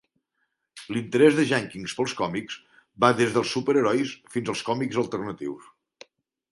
L'interès de Jenkins pels còmics va des dels superherois fins als còmics alternatius.